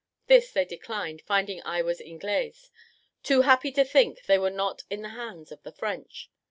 This they declined, finding I was "Ingles," too happy to think they were not in the hands of the French.